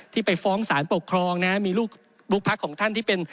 ไปฟ้องสารปกครองนะมีลูกพักของท่านที่เป็น